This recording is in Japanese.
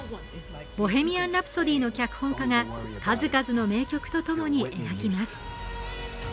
「ボヘミアン・ラプソディ」の脚本家が数々の名曲とともに描きます。